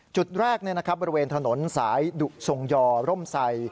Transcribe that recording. จุดแรกบริเวณถนนสายดุทรงยอร่มไซ